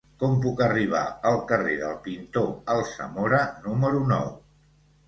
Com puc arribar al carrer del Pintor Alsamora número nou?